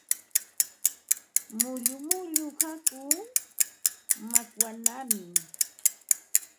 Mullu mullu hakuu makwanaami.